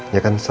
ya kan sa